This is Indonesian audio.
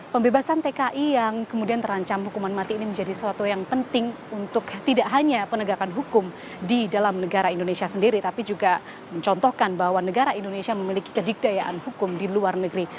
pembebasan tki yang kemudian terancam hukuman mati ini menjadi sesuatu yang penting untuk tidak hanya penegakan hukum di dalam negara indonesia sendiri tapi juga mencontohkan bahwa negara indonesia memiliki kedikdayaan hukum di luar negeri